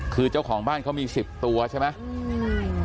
คือเจ้าของบ้านเขามี๑๐ตัวใช่ไหม